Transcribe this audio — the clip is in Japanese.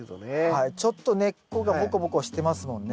はいちょっと根っこがボコボコしてますもんね。